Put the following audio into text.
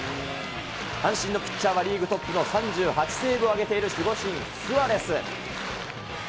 阪神のピッチャーは、リーグトップの３８セーブを挙げている守護神、スアレス。